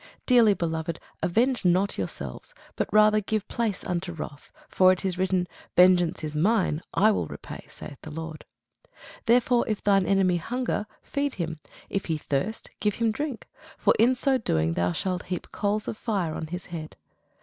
Dearly beloved, avenge not yourselves, but rather give place unto wrath: for it is written, Vengeance is mine; I will repay, saith the Lord. Therefore if thine enemy hunger, feed him; if he thirst, give him drink: for in so doing thou shalt heap coals of fire on his head.